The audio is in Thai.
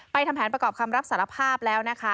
ทำแผนประกอบคำรับสารภาพแล้วนะคะ